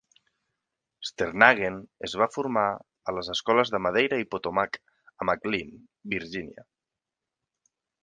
Sternhagen es va formar a les escoles de Madeira i Potomac a McLean, Virgínia.